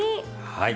はい。